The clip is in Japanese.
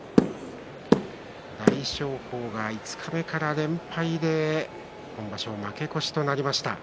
大翔鵬が五日目から連敗で今場所負け越しとなりました。